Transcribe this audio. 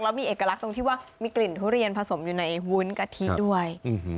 แล้วมีเอกลักษณ์ตรงที่ว่ามีกลิ่นทุเรียนผสมอยู่ในวุ้นกะทิด้วย